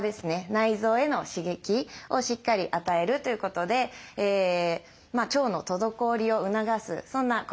内臓への刺激をしっかり与えるということで腸の滞りを促すそんな効果があります。